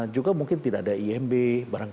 juga mungkin tidak ada imb